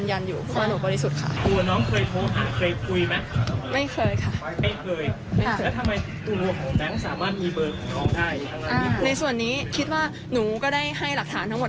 ในส่วนนี้คิดว่าหนูก็ได้ให้หลักฐานทั้งหมด